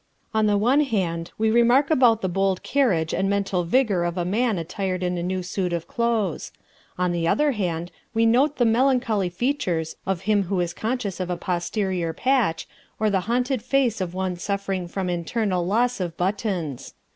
On the one hand we remark the bold carriage and mental vigour of a man attired in a new suit of clothes; on the other hand we note the melancholy features of him who is conscious of a posterior patch, or the haunted face of one suffering from internal loss of buttons.